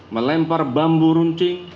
melempar bambu runcing